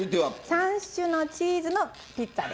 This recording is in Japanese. ３種のチーズのピッツァで。